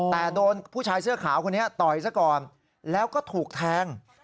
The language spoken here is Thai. แต่โดนผู้ชายเสื้อขาวคนนี้ต่อยซะก่อนแล้วก็ถูกแทง